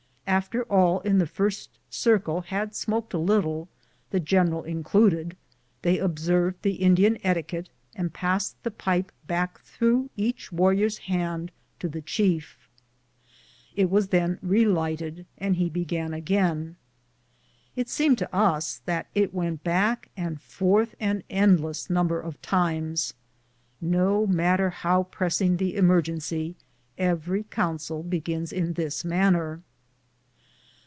After all in the first circle had smoked a little, the gen eral included, they observed the Indian etiquette and passed the pipe back through each warrior's hand to the chief. It was then relighted, and he began again. It seemed to us that it went back and forth an endless number of times. No matter how pressing the emer gency, every council begins in this manner.